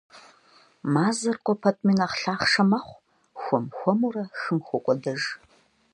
Мазэр кӀуэ пэтми нэхъ лъахъшэ мэхъу, хуэм-хуэмурэ хым хокӀуэдэж.